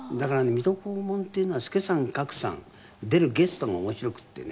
『水戸黄門』っていうのは助さん格さん出るゲストが面白くてね